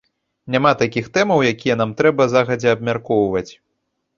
Няма такіх тэмаў, якія нам трэба загадзя абмяркоўваць.